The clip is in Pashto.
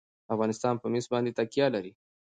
افغانستان په مس باندې تکیه لري.